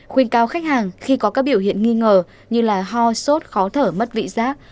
khuyên cao khách hàng khi có các biểu hiện nghi ngờ như ho sốt khó thở mất vị giác